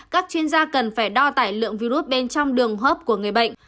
các chuyên gia cần phải đo tải lượng virus bên trong đường hấp của người bệnh